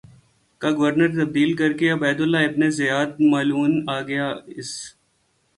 کا گورنر تبدیل کرکے عبیداللہ ابن زیاد ملعون آگیا اس